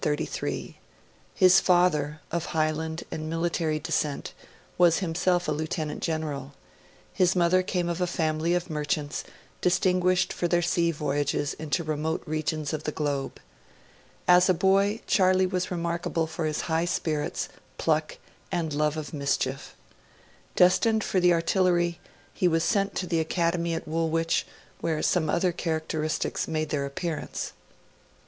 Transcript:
His father, of Highland and military descent, was himself a Lieutenant General; his mother came of a family of merchants, distinguished for their sea voyages into remote regions of the Globe. As a boy, Charlie was remarkable for his high spirits, pluck, and love of mischief. Destined for the Artillery, he was sent to the Academy at Woolwich, where some other characteristics made their appearance.